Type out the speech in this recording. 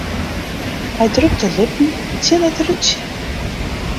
Hy drukt de lippen tsjin it rútsje.